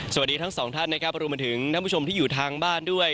สวัสดีทั้งสองท่านนะครับรวมมาถึงท่านผู้ชมที่อยู่ทางบ้านด้วย